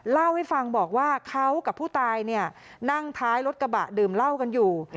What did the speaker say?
เล่าให้ฟังบอกว่าเขากับผู้ตายนั่งท้ายรถกระบะดื่มเหล้ากันอยู่